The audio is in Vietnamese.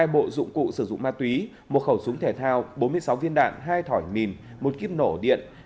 hai bộ dụng cụ sử dụng ma túy một khẩu súng thể thao bốn mươi sáu viên đạn hai thỏi mìn một kíp nổ điện